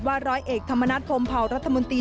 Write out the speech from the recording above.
ร้อยเอกธรรมนัฐพรมเผารัฐมนตรี